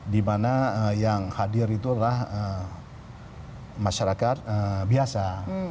dimana yang hadir itu adalah masyarakat biasa